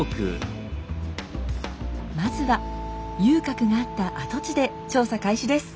まずは遊郭があった跡地で調査開始です。